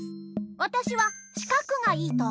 わたしは「しかく」がいいと思う。